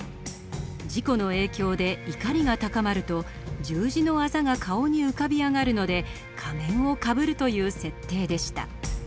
事故の影響で怒りが高まると十字のあざが顔に浮かび上がるので仮面をかぶるという設定でした。